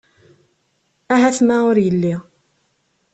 Ahat ma ur yelli.